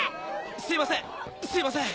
すいませんすいません。